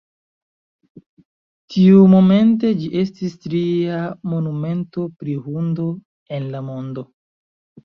Tiumomente ĝi estis tria monumento pri hundo en la mondo.